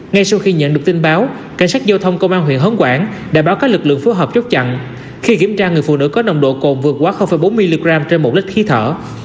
ngay sau khi nhận được tin báo cảnh sát giao thông công an huyện hớn quảng đã báo các lực lượng phối hợp chốt chặn khi kiểm tra người phụ nữ có nồng độ cồn vượt quá bốn mg trên một lít khí thở